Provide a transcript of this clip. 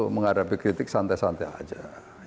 menghadapi kritik santai santai saja